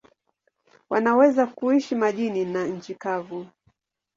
Wanaweza kuishi majini na nchi kavu.